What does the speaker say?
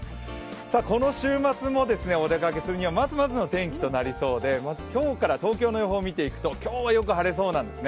この週末もお出かけするにはまずまずの天気となりそうで、今日から東京の予報を見ていくと、今日はよく晴れそうなんです。